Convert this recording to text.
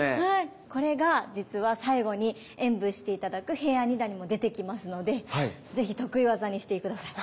これが実は最後に演武して頂く平安二段にも出てきますので是非得意技にして下さい。